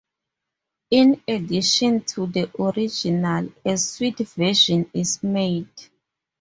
In addition to the original, a sweet version is made.